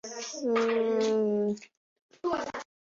亦曾是葡萄牙国家队成员。